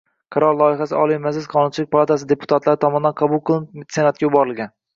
Qaror loyihasi Oliy Majlis Qonunchilik palatasi deputatlari tomonidan qabul qilinib, Senatga yuborilgan